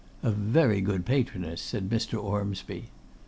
'A very good patroness,' said Mr. Ormsby.